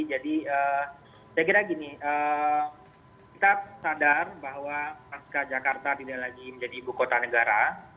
jadi saya kira gini kita sadar bahwa pasca jakarta tidak lagi menjadi ibu kota negara